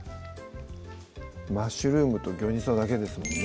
マッシュルームとギョニソだけですもんね